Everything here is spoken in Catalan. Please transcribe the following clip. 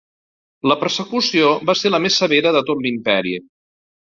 La persecució va ser la més severa de tot l'imperi.